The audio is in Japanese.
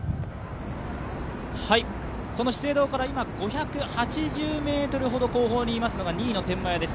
その資生堂から今５８０ｍほど後方にいますのが２位の天満屋です。